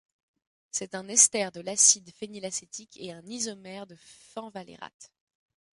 C'est un ester de l'acide phénylacétique et un isomère du fenvalérate.